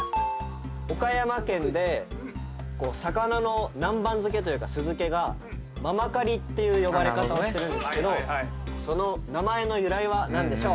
岡山県で魚の南蛮漬けというか酢漬けが「ままかり」っていう呼ばれ方をしてるんですけどその名前の由来は何でしょう？